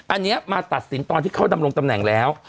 อันนี้มาตัดสินตอนที่เข้าดำรงตำแหน่งแล้ว